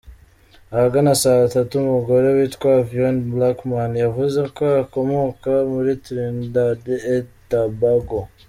Ahagana saa tatu, umugore witwa Avion Blackman yavuze ko akomoka muri Trinidad et Tabago .